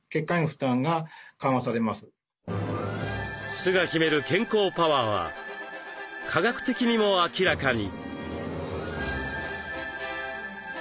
酢が秘める健康パワーは科学的にも明らかに。